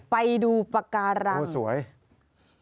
ไปดูปาการั้ง